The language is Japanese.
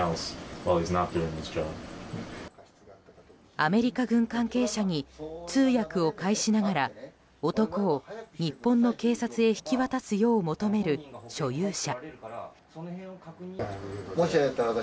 アメリカ軍関係者に通訳を介しながら男を日本の警察へ引き渡すよう求める所有者。